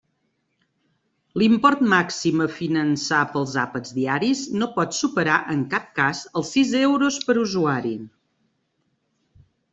L'import màxim a finançar pels àpats diaris no pot superar en cap cas els sis euros per usuari.